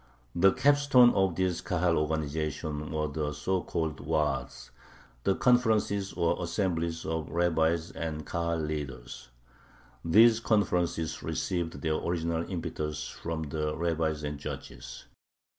The capstone of this Kahal organization were the so called Waads, the conferences or assemblies of rabbis and Kahal leaders. These conferences received their original impetus from the rabbis and judges.